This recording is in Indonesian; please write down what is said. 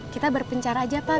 kita berpencar aja pak